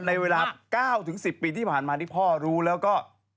ในเวลา๙๑๐ปีที่ผ่านมาที่พ่อรู้แล้วก็